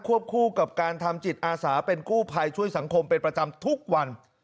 คู่กับการทำจิตอาสาเป็นกู้ภัยช่วยสังคมเป็นประจำทุกวัน